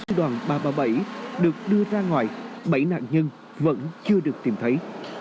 các cán bộ chiến sĩ đoàn ba trăm ba mươi bảy được đưa ra ngoài bảy nạn nhân vẫn chưa được tìm thấy